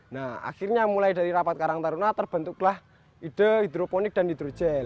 nah akhirnya mulai dari rapat karang taruna terbentuklah ide hidroponik dan hidrogen